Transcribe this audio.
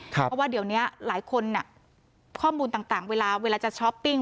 เพราะว่าเดี๋ยวนี้หลายคนข้อมูลต่างเวลาเวลาจะช้อปปิ้ง